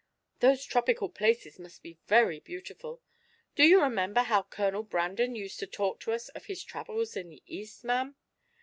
Those tropical places must be very beautiful. Do you remember how Colonel Brandon used to talk to us of his travels in the East, ma'am?"